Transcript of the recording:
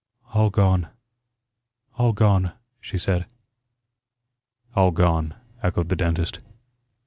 "All gone, all gone," she said. "All gone," echoed the dentist.